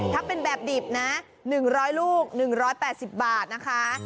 ถ้าเป็นแบบดิบนะ๑๐๐ลูก๑๘๐บาทนะคะ